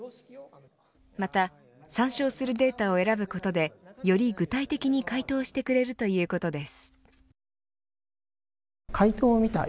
また参照するデータを選ぶことでより具体的に回答してくれるということです。